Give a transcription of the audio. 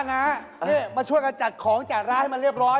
นี่มาช่วยกันจัดของจัดร้านให้มันเรียบร้อย